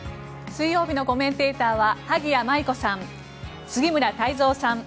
水曜日のコメンテーターは萩谷麻衣子さん、杉村太蔵さん